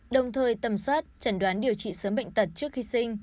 đồng thời tầm soát chẩn đoán điều trị sớm bệnh tật trước khi sinh